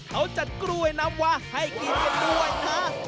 เขาจัดกล้วยน้ำวาให้กินกันด้วยนะ